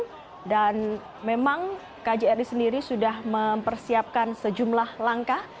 di badara internasional hongkong dan memang kjri sendiri sudah mempersiapkan sejumlah langkah